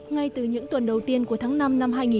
ngay từ những tuần đầu tiên của tháng năm năm hai nghìn hai mươi